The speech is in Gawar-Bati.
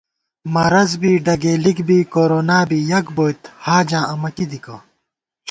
مرض بی ڈگېلِک بی کورونا بی یَک بوئیت حاجاں امہ کی دِکہ